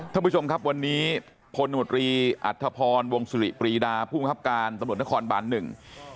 ท่านผู้ชมครับวันนี้พลโนตรีอัธพรวงสุริปรีดาผู้บังคับการตำรวจนครบานหนึ่ง